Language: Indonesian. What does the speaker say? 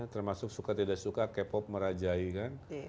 termasuk suka tidak suka k pop merajai kan